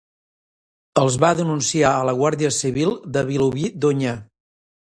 Els va denunciar a la Guàrdia Civil de Vilobí d'Onyar.